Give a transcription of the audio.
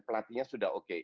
pelatihnya sudah oke